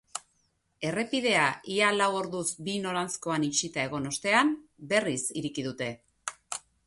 Errepidea ia lau orduz bi noranzkotan itxita egon ostean, berriz ireki dute.